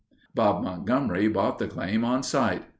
Bob Montgomery bought the claim on sight.